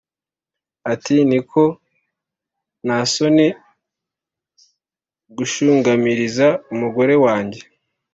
ati” niko ntasoni gushungamiriza umugore wanjye